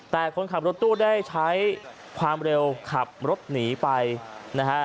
แต่คนขับรถตู้ได้ใช้ความเร็วขับรถหนีไปนะฮะ